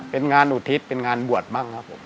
เป็นงานอุทิศเป็นงานบวชบ้างครับผม